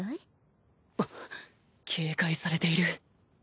圓△叩警戒されている